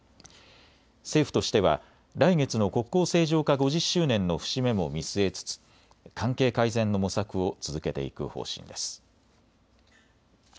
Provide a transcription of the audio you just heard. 政府としては来月の国交正常化５０周年の節目も見据えつつ関係改善の模索を続けていく方針です。